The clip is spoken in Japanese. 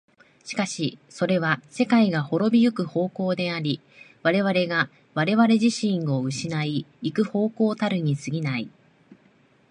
しかしそれは世界が亡び行く方向であり、我々が我々自身を失い行く方向たるに過ぎない。